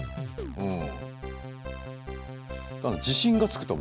うん。